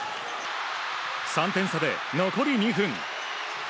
３点差で残り２分。